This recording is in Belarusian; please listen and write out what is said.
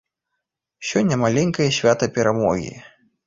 Сёння маленькае свята перамогі.